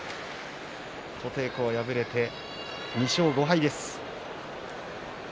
琴恵光は敗れて２勝５敗です。